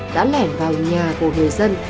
đã lẻn vào nhà của người dân